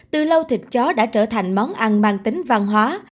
từ lâu thịt chó đã trở thành món ăn mang tính văn hóa